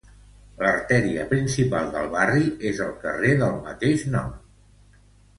L'artèria principal del barri és el carrer del mateix nom.